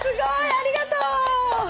ありがとう。